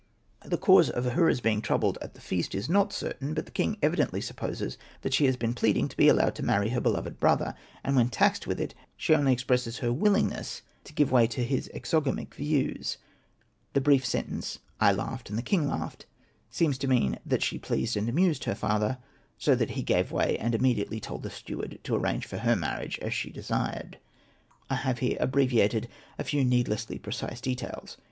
The cause of Ahura's being troubled at the feast is ' not certain, but the king evidently supposes that she has been pleading to be allowed to marry her beloved brother, and when taxed with it she only expresses her willingness to give way to his exogamic views. The brief sentence, '' I laughed and the king laughed/' seems to mean that she pleased and amused her father so that he gave way, and immediately told the steward to arrange for her marriage as she desired. I have here abbreviated a few needlessly precise details.